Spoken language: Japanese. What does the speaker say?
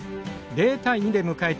０対２で迎えた